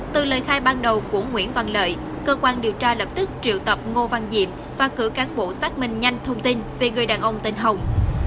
từ lời khai ban đầu của nguyễn văn lợi cơ quan điều tra lập tức triệu tập ngô văn diệm và cử cán bộ xác minh nhanh thông tin về người đàn ông tên hồng